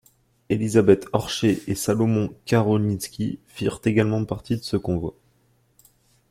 Élisabeth Orcher et Salomon Karolinski firent également partie de ce convoi.